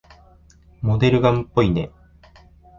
モデルガンっぽいね。